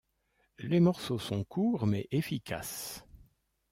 Les morceaux sont courts mais efficaces.